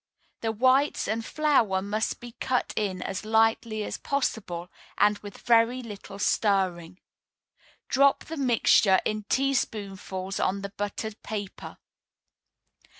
The whites and flour must be cut in as lightly as possible, and with very little stirring. Drop the mixture in teaspoonfuls on the buttered paper.